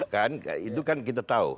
kan itu kan kita tahu